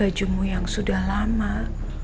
aku mengavis makanan